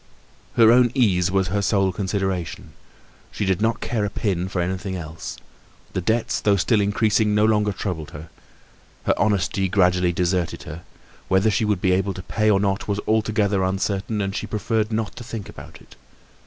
Her own ease was her sole consideration; she did not care a pin for anything else. The debts, though still increasing, no longer troubled her. Her honesty gradually deserted her; whether she would be able to pay or not was altogether uncertain, and she preferred not to think about it.